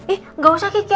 ih gak usah kiki